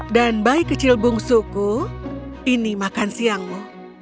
dan baik kecil bungsuku ini makan siangmu